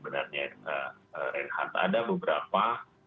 reinhardt ada beberapa